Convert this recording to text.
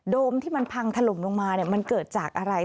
มที่มันพังถล่มลงมามันเกิดจากอะไร